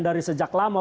dari sejak lama